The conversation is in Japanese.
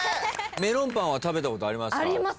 メロンパンは食べたことありますか？